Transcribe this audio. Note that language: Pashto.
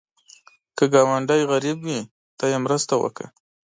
که ګاونډی غریب وي، ته یې مرسته وکړه